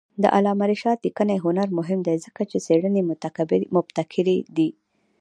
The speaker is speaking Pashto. د علامه رشاد لیکنی هنر مهم دی ځکه چې څېړنې مبتکرې دي.